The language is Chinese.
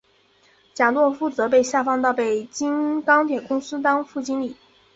贾拓夫则被下放到北京钢铁公司当副经理。